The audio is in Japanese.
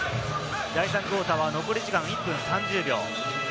第３クオーターは残り時間、１分３０秒。